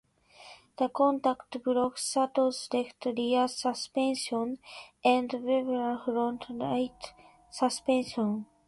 The contact broke Sato's left rear suspension and Webber's front right suspension.